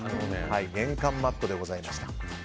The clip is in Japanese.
玄関マットでございました。